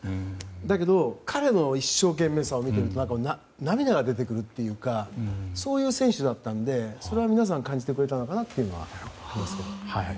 だけど彼の一生懸命さを見ていると涙が出てくるというかそういう選手だったのでそれは皆さん感じてくれたかなと思いますね。